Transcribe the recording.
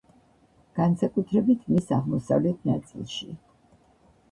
განსაკუთრებით, მის აღმოსავლეთ ნაწილში.